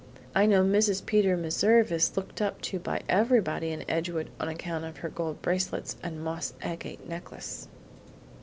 I know Mrs. Peter Meserve is looked up to by everybody in Edgewood on account of her gold bracelets and moss agate necklace."